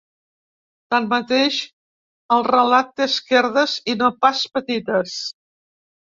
Tanmateix, el relat té esquerdes i no pas petites.